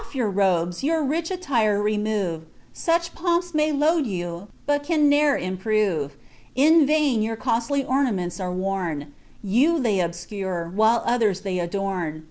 133 T«k« off joar robes, your rich attire remoTe; Such pomps may load you, but can ne'er improre; In vain your costly ornaments are worn, Ton they obscure, while others they adorn.